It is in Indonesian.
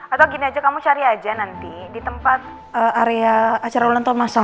atau gini aja kamu cari aja nanti di tempat area acara ulang tahun masa